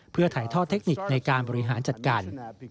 เพื่อถ่ายทอดเทคนิคในการบริหารจัดการ